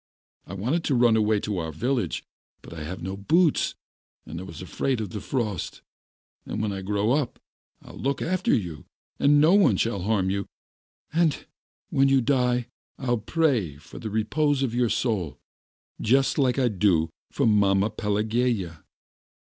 I wanted to run away to our village, but I have no boots, and I was afraid of the frost, and when I grow up I'll look after you, no one shall harm you, and when you die I'll pray for the repose of your soul, just like I do for mamma Pelagueya.